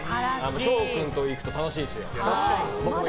翔君と行くと楽しいですよ。